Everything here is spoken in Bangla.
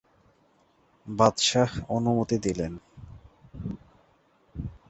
বাদশাহ অনুমতি দিলেন।